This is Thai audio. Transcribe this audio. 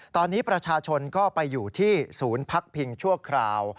ตอนนี้ประชาชนก็ไปอยู่ที่ศูนย์พักพิงชั่วคราว